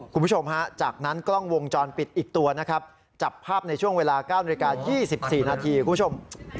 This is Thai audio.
คุณผู้ชมฮะจากนั้นกล้องวงจรปิดอีกตัวนะครับจับภาพในช่วงเวลา๙นาฬิกา๒๔นาทีคุณผู้ชม